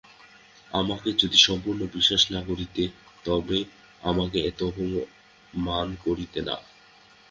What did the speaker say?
আমাকে যদি সম্পূর্ণ বিশ্বাস না করিতে, তবে আমাকে এত অপমানকরিতে না।